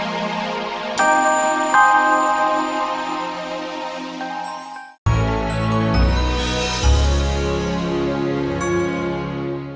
oh tapi terus